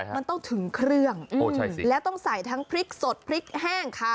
มันต้องถึงเครื่องแล้วต้องใส่ทั้งพริกสดพริกแห้งค่ะ